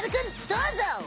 どうぞ！